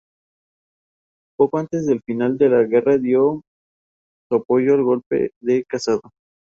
El nombre de la pareja se debió al luchador profesional estadounidense Razor Ramon.